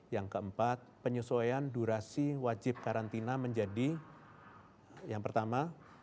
yang keempat penyesuaian durasi wajib karantina menjadi yang pertama